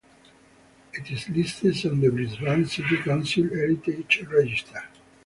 It is listed on the Brisbane City Council Heritage Register.